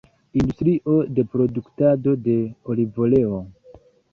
Industrio de produktado de olivoleo.